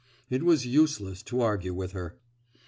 It was useless to argue with her.